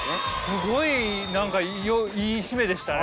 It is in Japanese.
すごい何かいい締めでしたね。